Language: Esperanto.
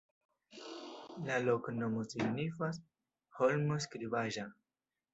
La loknomo signifas: holmo-skribaĵa.